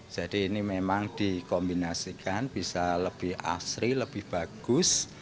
jadi ini memang dikombinasikan bisa lebih asri lebih bagus